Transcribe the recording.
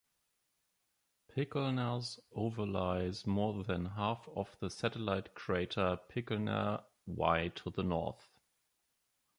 Pikel'ner overlies more than half of the satellite crater Pikel'ner Y to the north.